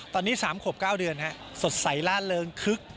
ตอนนี้๓ขวบ๙เดือนสดใสล่าเริงคึก